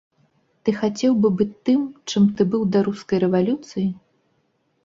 Ты хацеў бы быць тым, чым ты быў да рускай рэвалюцыі?